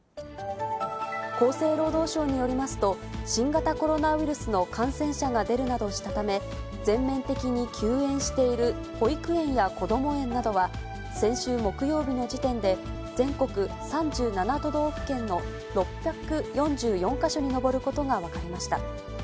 厚生労働省によりますと、新型コロナウイルスの感染者が出るなどしたため、全面的に休園している保育園やこども園などは、先週木曜日の時点で、全国３７都道府県の６４４か所に上ることが分かりました。